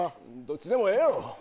どっちでもええやろ？